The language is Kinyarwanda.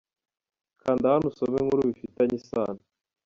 Kanda hano usome inkuru bifitanye isano.